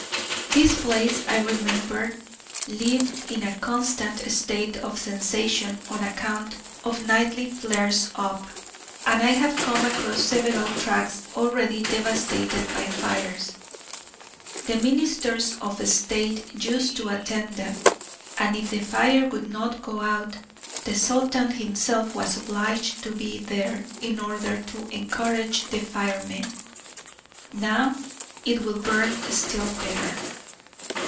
This place, I remember, lived in a constant state of sensation on account of nightly flares up; and I have come across several tracts already devastated by fires. The ministers of state used to attend them, and if the fire would not go out, the Sultan himself was obliged to be there, in order to encourage the firemen. Now it will burn still better.